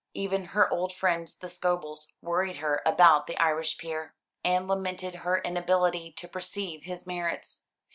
Even her old friends the Scobels worried her about the Irish peer, and lamented her inability to perceive his merits.